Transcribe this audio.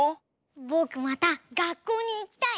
ぼくまたがっこうにいきたい！